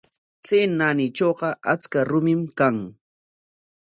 Chay naanitrawqa achka rumim kan.